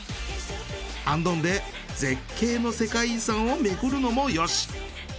アンドンで絶景の世界遺産を巡るのもよし。